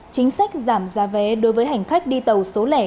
chính sách giảm giá vé đối với hành khách đi tàu số lẻ